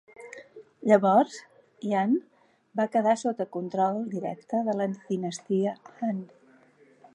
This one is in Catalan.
Llavors, Yan va quedar sota control directe de la dinastia Han.